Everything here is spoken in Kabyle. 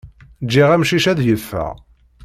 Ǧǧiɣ amcic ad yeffeɣ.